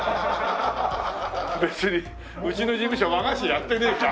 別にうちの事務所和菓子やってねえか。